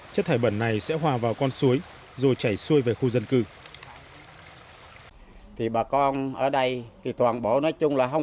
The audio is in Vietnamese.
chất thải bẩn này sẽ hòa vào con suối rồi chảy xuôi về khu dân cư